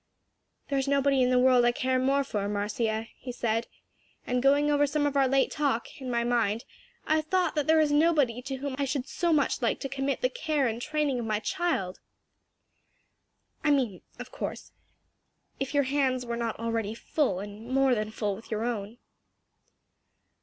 "There's nobody in the world I care more for, Marcia," he said, "and going over some of our late talk, in my mind, I have thought there is nobody to whom I should so much like to commit the care and training of my child. I mean, of course, if your hands were not already full and more than full with your own."